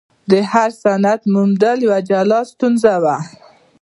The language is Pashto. د هر سند موندل یوه جلا ستونزه وه.